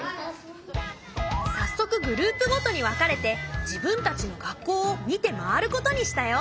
早速グループごとに分かれて自分たちの学校を見て回ることにしたよ。